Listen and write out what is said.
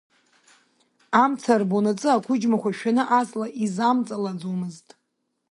Амца рбонаҵы ақәыџьмақәа шәаны аҵла изамҵалаӡомызт.